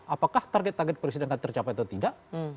apakah target target presiden akan tercapai atau tidak